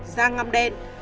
da ngăm đen